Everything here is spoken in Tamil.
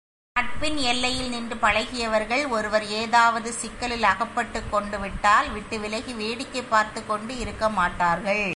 நட்பின் எல்லையில் நின்று பழகியவர்கள், ஒருவர் ஏதாவது சிக்கலில் அகப்பட்டுக்கொண்டால் விட்டு விலகி வேடிக்கை பார்த்துக் கொண்டு இருக்கமாட்டார்கள்.